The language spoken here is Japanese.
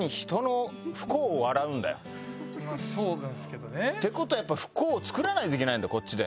まあそうなんですけどね。って事はやっぱ不幸を作らないといけないんだこっちで。